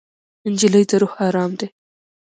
نجلۍ د روح ارام ده.